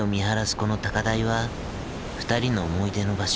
この高台は二人の思い出の場所。